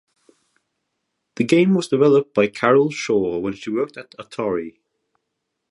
The game was developed by Carol Shaw when she worked at Atari.